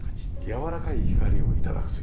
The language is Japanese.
やわらかい光を頂くというね。